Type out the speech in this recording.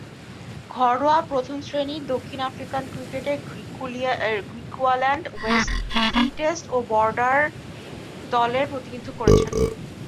ঘরোয়া প্রথম-শ্রেণীর দক্ষিণ আফ্রিকান ক্রিকেটে গ্রিকুয়াল্যান্ড ওয়েস্ট, ফ্রি স্টেট ও বর্ডার দলের প্রতিনিধিত্ব করেছেন।